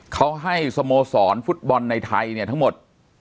เขาให้สโมสรฟุตบอลในไทยเนี่ยทั้งหมด